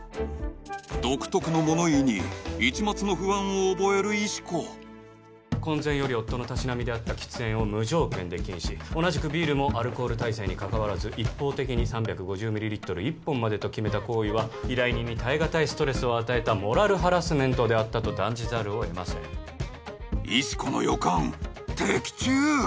独特の物言いに一抹の不安を覚える石子婚前より夫のたしなみであった喫煙を無条件で禁止同じくビールもアルコール耐性にかかわらず一方的に３５０ミリリットル１本までと決めた行為は依頼人に耐えがたいストレスを与えたモラルハラスメントであったと断じざるをえません石子の予感的中